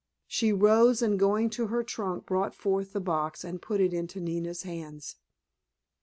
She rose and going to her trunk brought forth the box and put it into Nina's hands.